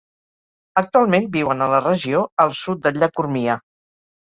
Actualment viuen a la regió al sud del llac Urmia.